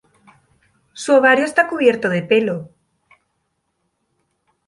Su ovario está cubierto de pelo.